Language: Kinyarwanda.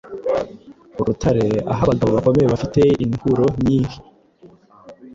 Urutare aho abagabo bakomeye bafite inhuro nyinhi